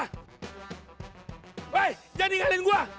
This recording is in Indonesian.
hei jangan ninggalin gue